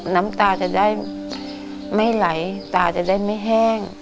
น้ำตาจะได้ไม่ไหลตาจะได้ไม่แห้ง